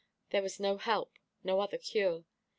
There was no help, no other cure.